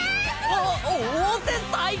お温泉最高！